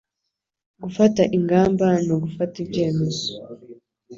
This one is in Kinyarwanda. Gufata ingamba ni ugufata ibyemezo.